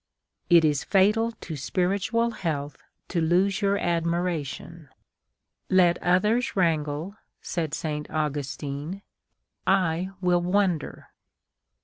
It is fatal to spiritual health to lose your admiration. " Let others wrangle," said St. Augustine :" I will wonder."